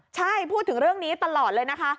ใช่พูดถึงเรื่องนี้ตลอดเลยนะคะ